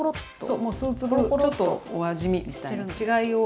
そうもう数粒ちょっとお味見みたいな違いを。